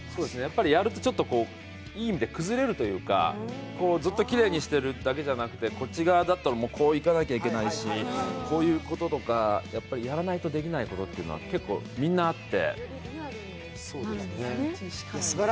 やると、いい意味で崩れるというか、ずっときれいにしてるだけじゃなくて、こっち側だったらこういかなきゃいけないしこういうこととか、やっぱりやらないとできないことっていうのは結構みんなあって。